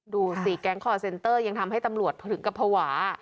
ดูสิแก๊งคอร์เซ็นเตอร์ยังทำให้ตำรวจถึงกับภาวะ